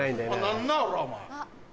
何だおらお前。